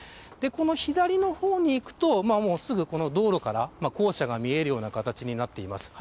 左のほうに行くと道路から校舎が見える形になっています。